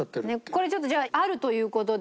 これちょっとじゃああるという事で。